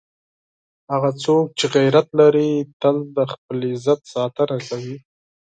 هغه څوک چې غیرت لري، تل د خپل عزت ساتنه کوي.